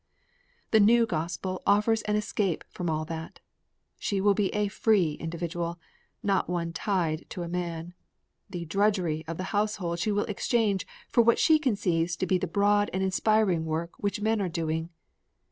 The new gospel offers an escape from all that. She will be a "free" individual, not one "tied" to a man. The "drudgery" of the household she will exchange for what she conceives to be the broad and inspiring work which men are doing.